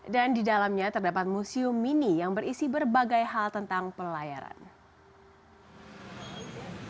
dan di dalamnya terdapat museum mini yang berisi berbagai hal tentang pelayaran